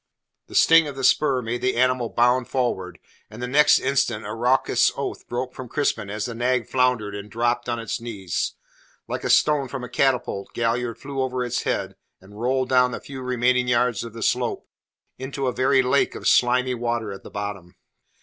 The sting of the spur made the animal bound forward, and the next instant a raucous oath broke from Crispin as the nag floundered and dropped on its knees. Like a stone from a catapult Galliard flew over its head and rolled down the few remaining yards of the slope into a very lake of slimy water at the bottom.